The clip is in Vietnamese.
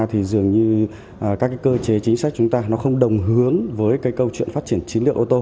thì dường như các cái cơ chế chính sách chúng ta nó không đồng hướng với cái câu chuyện phát triển chiến lược ô tô